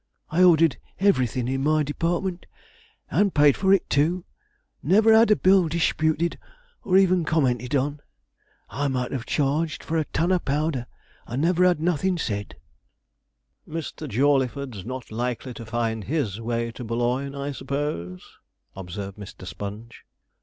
I ordered everything in my department, and paid for it too; and never had a bill disputed or even commented on. I might have charged for a ton of powder, and never had nothin' said.' 'Mr. Jawleyford's not likely to find his way to Boulogne, I suppose?' observed Mr. Sponge.